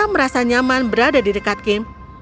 maya merasa nyaman berada dekatnya